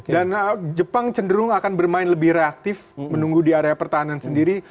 dan jepang cenderung akan bermain lebih reaktif menunggu di area pertahanan sendiri